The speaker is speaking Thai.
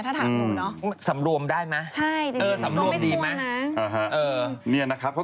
ถ้าถามโดรน็อล์